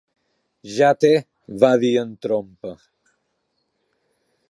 Ja té, va dir en Trompa.